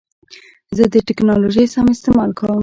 زه د ټکنالوژۍ سم استعمال کوم.